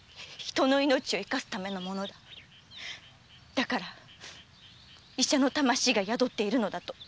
だから医者の魂が宿っているのだと！